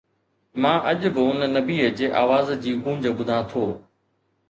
مان اڄ به ان نبيءَ جي آواز جي گونج ٻڌان ٿو.